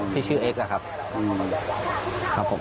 ที่ชื่อเอ็กซอะครับผม